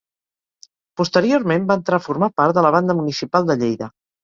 Posteriorment, va entrar a formar part de la Banda Municipal de Lleida.